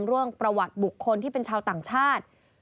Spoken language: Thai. เรื่องประวัติบุคคลที่เป็นชาวต่างชาติ